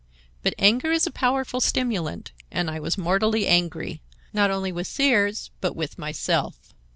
But anger is a powerful stimulant, and I was mortally angry, not only with Sears, but with myself.